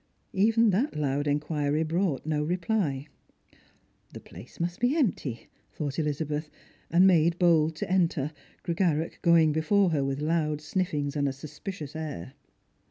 Even that loud inquiry brought no reply. " The place must be empty," thought Elizabeth, and made bold to enter, Grega rach going before her with loud sniffings and a suspicious air.